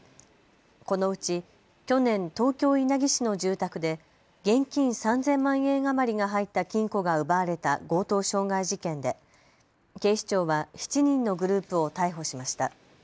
このうち去年、東京稲城市の住宅で現金３０００万円余りが入った金庫が奪われた強盗傷害事件で警視庁は７人のグループを逮捕しました。